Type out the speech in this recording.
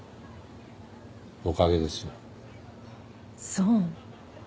そう。